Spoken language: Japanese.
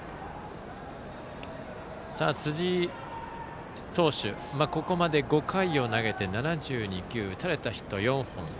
辻井投手はここまで５回を投げて７２球、打たれたヒットは４本。